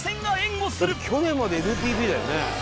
「去年までＮＰＢだよね」